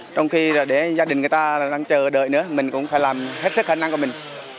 trong khi để gia đình người ta đang chờ đợi nữa mình cũng phải làm hết sức khả năng của mình